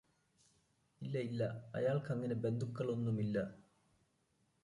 ഇല്ല ഇല്ല അയാള്ക്കങ്ങനെ ബന്ധുക്കളൊന്നുമില്ല